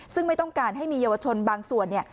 ซึ่งไม่ต้องการให้มีเยาวชนบางส่วนเนี่ย